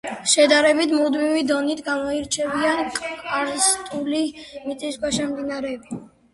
შედარებით მუდმივი დონით გამოირჩევიან კარსტული მიწისქვეშა მდინარეები.